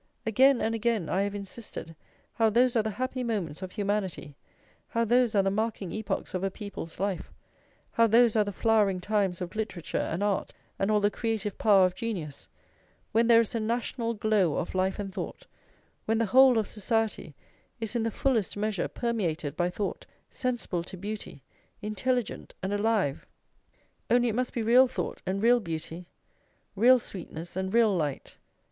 Again and again I have insisted how those are the happy moments of humanity, how those are the marking epochs of a people's life, how those are the flowering times for literature and art and all the creative power of genius, when there is a national glow of life and thought, when the whole of society is in the fullest measure permeated by thought, sensible to beauty, intelligent and alive. Only it must be real thought and real beauty; real sweetness and real light.